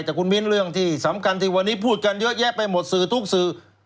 แต่คุณมิ้นเรื่องที่สำคัญที่วันนี้พูดกันเยอะแยะไปหมดสื่อทุกสื่อ